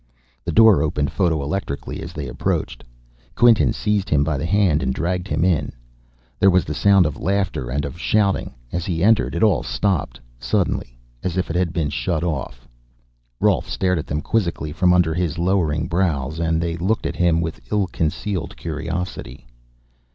The door opened photoelectrically as they approached. Quinton seized him by the hand and dragged him in. There was the sound of laughter and of shouting. As he entered it all stopped, suddenly, as if it had been shut off. Rolf stared at them quizzically from under his lowering brows, and they looked at him with ill concealed curiosity.